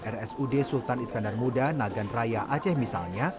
rsud sultan iskandar muda nagan raya aceh misalnya